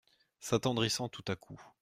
S’attendrissant tout à coup.